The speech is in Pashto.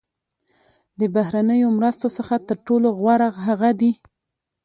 د بهرنیو مرستو څخه تر ټولو غوره هغه دي.